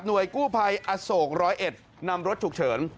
กู้ภัยอโศกร้อยเอ็ดนำรถฉุกเฉิน